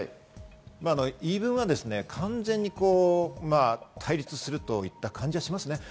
言い分は完全に対立するといった感じはしますね。